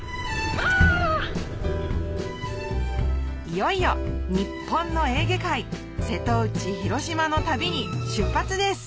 いよいよ日本のエーゲ海瀬戸内ひろしまの旅に出発です！